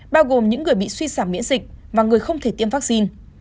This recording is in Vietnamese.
bao gồm những người bị suy giảm miễn dịch và người không thể tiêm vaccine